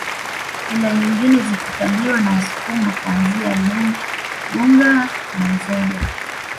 Wilaya nyingine zikikaliwa na Wasukuma kuanzia Igunga na Nzega